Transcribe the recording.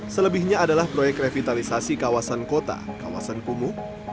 selebihnya adalah proyek revitalisasi kawasan kota kawasan kumuh